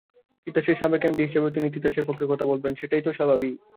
তিতাসের সাবেক এমডি হিসেবে তিনিও তিতাসের পক্ষে কথা বলবেন, সেটাই স্বাভাবিক।